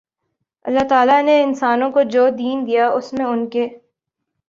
اللہ تعالی نے انسانوں کو جو دین دیا اس میں ان کے